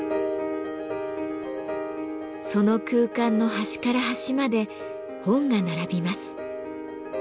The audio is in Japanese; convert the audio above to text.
その空間の端から端まで本が並びます。